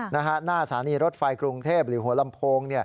หน้าสถานีรถไฟกรุงเทพหรือหัวลำโพง